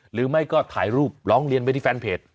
หรือไม่ก็ถ่ายรูปร้องเรียนไปที่แฟนเพจ